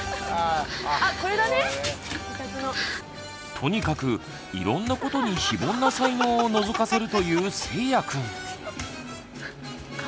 とにかくいろんなことに非凡な才能をのぞかせるというせいやくん。